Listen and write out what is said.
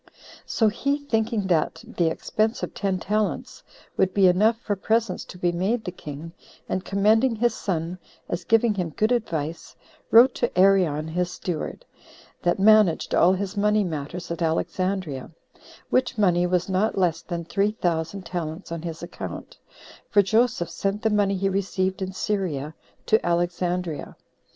So he thinking that the expense of ten talents would be enough for presents to be made the king, and commending his son, as giving him good advice, wrote to Arion his steward, that managed all his money matters at Alexandria; which money was not less than three thousand talents on his account, for Joseph sent the money he received in Syria to Alexandria.